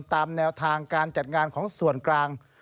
ตามแนวทางการจัดงานของส่วนกลาง